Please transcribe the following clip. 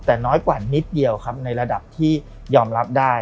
แต่น้อยกว่านิดเดียวครับในระดับที่ยอมรับได้